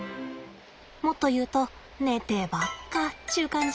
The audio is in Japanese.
もっと言うと寝てばっかっちゅう感じ？